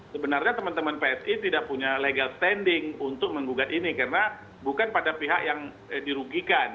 sebenarnya teman teman psi tidak punya legal standing untuk menggugat ini karena bukan pada pihak yang dirugikan